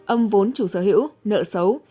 âm vốn chủ sở hữu nợ xấu